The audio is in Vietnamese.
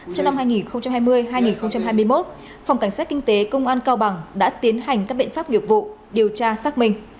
trong năm hai nghìn hai mươi hai nghìn hai mươi một phòng cảnh sát kinh tế công an cao bằng đã tiến hành các biện pháp nghiệp vụ điều tra xác minh